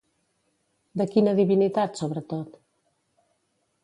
De quina divinitat, sobretot?